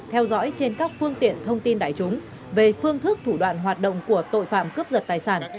theo dõi trên các phương tiện thông tin đại chúng về phương thức thủ đoạn hoạt động của tội phạm cướp giật tài sản